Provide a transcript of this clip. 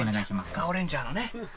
『ガオレンジャー』のね。